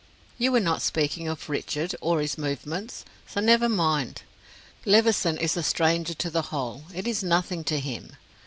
"You were not speaking of Richard or his movements, so never mind. Levison is a stranger to the whole. It is nothing to him.